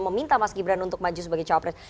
meminta mas gibran untuk maju sebagai cowok pres